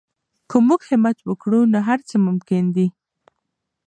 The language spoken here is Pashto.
که موږ همت وکړو نو هر څه ممکن دي.